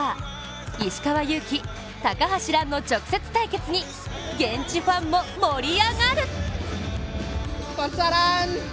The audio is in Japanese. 石川祐希、高橋藍の直接対決に現地ファンも盛り上がる。